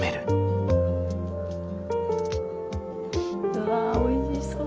うわおいしそう。